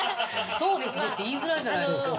そうですねって言いづらいじゃないですか。